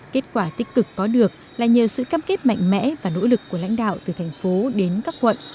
kết quả tích cực có được là nhờ sự cam kết mạnh mẽ và nỗ lực của lãnh đạo từ thành phố đến các quận